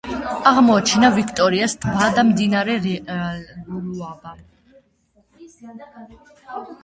აღმოაჩინა ვიქტორიას ტბა და მდინარე ლუალაბა.